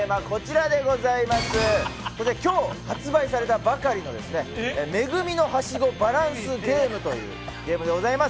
今日発売されたばかりの「め組のはしごバランスゲーム」というゲームでございます。